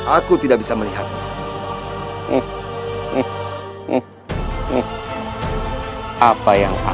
aku tidak bisa melihatnya